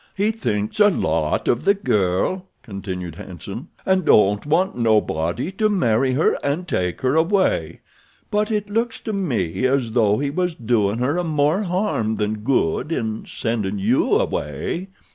"He thinks a lot of the girl," continued Hanson, "and don't want nobody to marry her and take her away; but it looks to me as though he was doin' her more harm than good in sendin' you away.